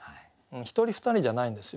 １人２人じゃないんですよ。